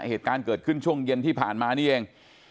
เหตุการณ์เกิดขึ้นช่วงเย็นที่ผ่านมานี่เอง